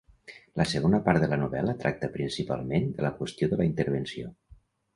La segona part de la novel·la tracta principalment de la qüestió de la intervenció.